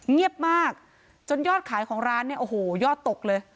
เงียบมากจนยอดขายของร้านเนี่ยโอ้โหยอดตกเลย